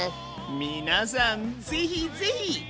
皆さんぜひぜひ！